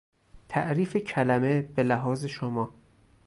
تعریف کلمه به لحاظ شما